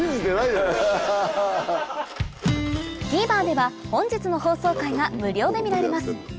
ＴＶｅｒでは本日の放送回が無料で見られます